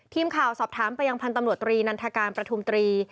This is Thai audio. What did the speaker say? ทีมข่าวสอบถามไปยังพันธ์ตำรวจตรีนันทการประทุมตรี